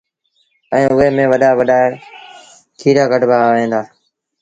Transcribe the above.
ائيٚݩ اُئي ميݩ وڏآ وڏآ ڪيٚريآ ڪڍيآ وهيݩ دآ